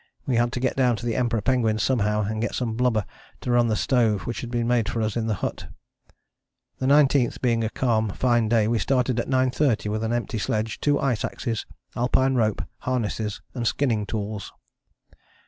We had to get down to the Emperor penguins somehow and get some blubber to run the stove which had been made for us in the hut. The 19th being a calm fine day we started at 9.30, with an empty sledge, two ice axes, Alpine rope, harnesses and skinning tools.